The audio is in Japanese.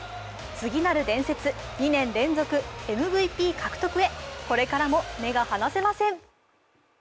次なる伝説・２年連続ＭＶＰ獲得へこれからも目が離せません。